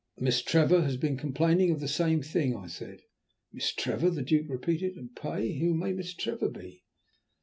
"Miss Trevor has been complaining of the same thing," I said. "Miss Trevor?" the Duke repeated. "And pray who may Miss Trevor be?"